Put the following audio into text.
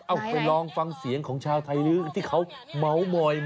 เอาไปลองฟังเสียงของชาวไทยลื้อที่เขาเมาส์มอย